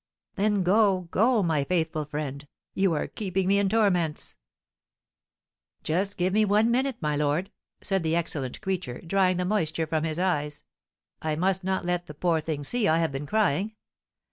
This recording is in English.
"Then go go my faithful friend; you are keeping me in torments." "Just give me one minute, my lord," said the excellent creature, drying the moisture from his eyes; "I must not let the poor thing see I have been crying.